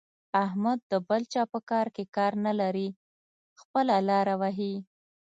احمد د بل چا په کار کې کار نه لري؛ خپله لاره وهي.